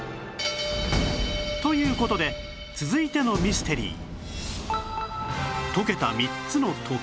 という事で続いてのミステリー